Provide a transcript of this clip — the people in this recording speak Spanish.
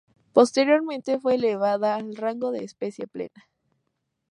Posteriormente fue elevada al rango de especie plena.